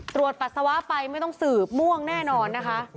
ปัสสาวะไปไม่ต้องสืบม่วงแน่นอนนะคะ